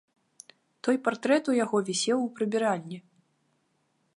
Той партрэт у яго вісеў у прыбіральні.